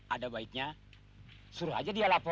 ada baiknya suruh aja dia lapor